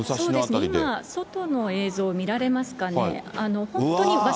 今、外の映像見られますかね。